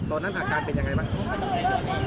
ตอนนั้นอาทิตย์กลางเป็นอย่างไรบ้าง